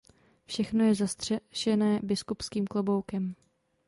Všechno je zastřešené biskupským kloboukem.